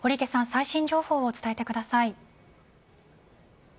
最新情報を伝えてください。